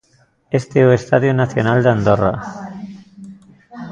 Este é o Estadio Nacional de Andorra.